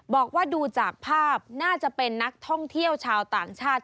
บอกว่าดูจากภาพน่าจะเป็นนักท่องเที่ยวชาวต่างชาติ